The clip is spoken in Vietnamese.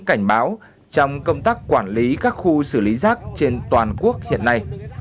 cảnh báo trong công tác quản lý các khu xử lý rác trên toàn quốc hiện nay